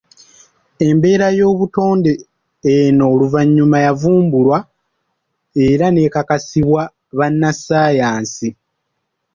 Embeera y'obutonde eno oluvannyuma yavumbulwa era n'ekakasibwa bannasayansi.